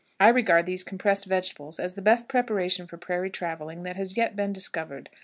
I regard these compressed vegetables as the best preparation for prairie traveling that has yet been discovered.